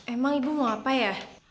emang ibu mau apa ya